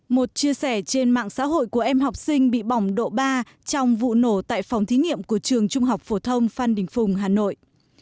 một chia sẻ trên mạng xã hội của em học sinh bị bỏng độ ba trong vụ nổ tại phòng thí nghiệm của trường trung học phổ thông phan đình phùng hà nội